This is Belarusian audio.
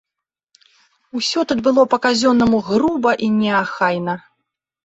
Усё тут было па-казённаму груба і неахайна.